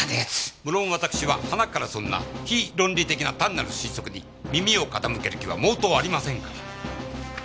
無論わたくしは端からそんな非論理的な単なる推測に耳を傾ける気は毛頭ありませんから。